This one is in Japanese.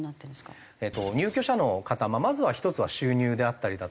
入居者の方まずは１つは収入であったりだとか。